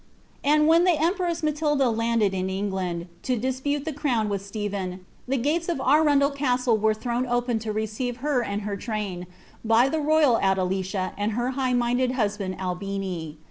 And when the empress Matilda la ided in EaglBnd, lo dispute the crown with Stephen, the gates of Irundel Chtlle wer« Uirown open to receive her and her train, by the royal ^ile licit and her high minded husband Albini.